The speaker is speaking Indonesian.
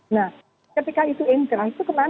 nah ketika itu inkrah itu kemarin